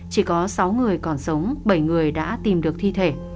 chỉ có sáu người còn sống bảy người đã tìm được thi thể